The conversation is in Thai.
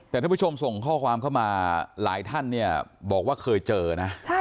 แต่ท่านผู้ชมส่งข้อความเข้ามาหลายท่านเนี่ยบอกว่าเคยเจอนะ